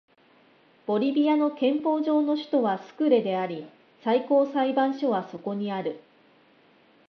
ボリビアの憲法上の首都はスクレであり最高裁判所はそこにある